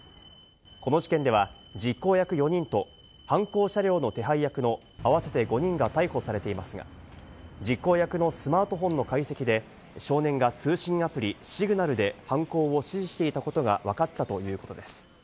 この事件では、実行役４人と、犯行車両の手配役の合わせて５人が逮捕されていますが、実行役のスマートフォンの解析で、少年が通信アプリ・シグナルで犯行を指示していたことがわかったということです。